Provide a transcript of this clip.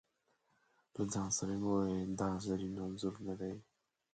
له ځانه سره مې وویل: دا زرین انځور نه دی.